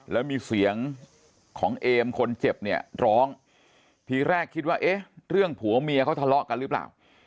แล้วมีเสียงของเอมคนเจ็บเนี่ยร้องทีแรกคิดว่าเอ๊ะเรื่องผัวเมียเขาทะเลาะกันหรือเปล่า